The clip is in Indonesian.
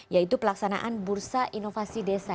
yaitu pelaksanaan bursa inovasi desa